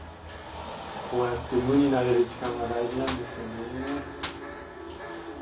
こうやって無になれる時間が大事なんですよねぇ。